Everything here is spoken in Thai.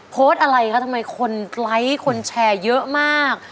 โพสต์อะไรคะทำไมคนไลค์คนแชร์เยอะมาก